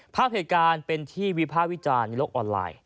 ภาพเหตุการณ์เป็นที่วิภาควิจารณ์ในโลกออนไลน์